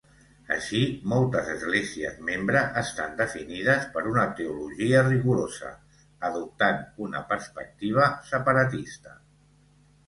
Així, moltes esglésies membre estan definides per una teologia rigorosa, adoptant una perspectiva separatista.